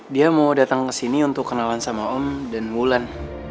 dia mau datang ke sini untuk kenalan sama om dan wulan